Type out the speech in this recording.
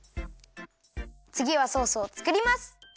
つぎはソースをつくります！